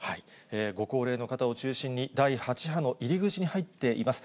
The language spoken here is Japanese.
ご高齢の方を中心に、第８波の入り口に入っています。